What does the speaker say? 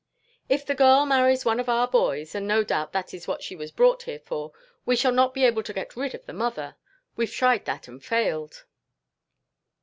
"If the girl marries one of our boys and no doubt that is what she was brought here for we shall not be able to get rid of the mother. We've tried that and failed."